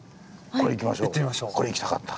これ行きましょう。